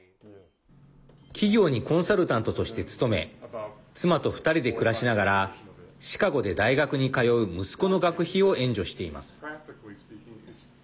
企業にコンサルタントとして勤め妻と２人で暮らしながらシカゴで大学に通う息子の学費を援助しています。